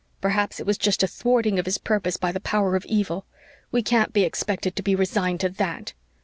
Perhaps it was just a thwarting of His purpose by the Power of Evil. We can't be expected to be resigned to THAT."